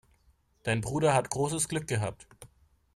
Dein Bruder hat großes Glück gehabt.